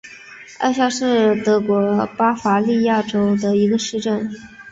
艾夏是德国巴伐利亚州的一个市镇。